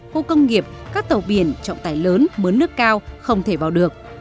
khu công nghiệp các tàu biển trọng tải lớn mướn nước cao không thể vào được